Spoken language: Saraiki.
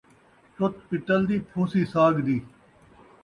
چُت پتل دی تے پھوسی ساڳ دی